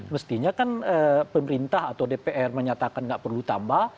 mestinya kan pemerintah atau dpr menyatakan nggak perlu tambah